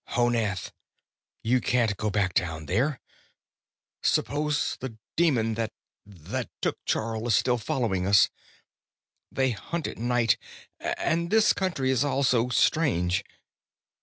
"Honath, you can't go back down there. Suppose the demon that that took Charl is still following us? They hunt at night and this country is all so strange...."